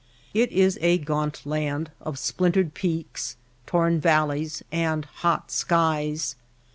It is a gaunt land of splintered peaks, torn valleys, and hot skies.